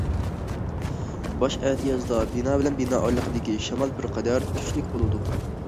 باش ئەتىيازدا بىنا بىلەن بىنا ئارىلىقىدىكى شامال بىر قەدەر كۈچلۈك بولىدۇ.